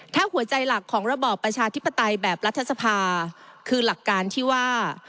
ถ้าหัวใจหลักของระบอบประชาธิปไตยแบบรัฐสภาคือหลักการที่ว่า